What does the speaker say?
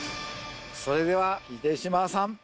それでは秀島さん。